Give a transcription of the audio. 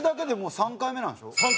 ３回目なんですよ。